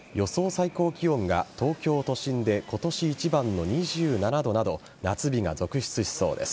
最高気温が東京都心で今年一番の２７度など夏日が続出しそうです。